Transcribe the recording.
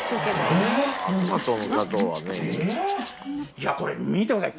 いやこれ見てください。